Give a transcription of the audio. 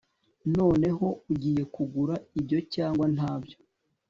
Noneho ugiye kugura ibyo cyangwa ntabyo